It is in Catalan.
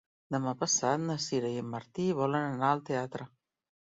Demà passat na Sira i en Martí volen anar al teatre.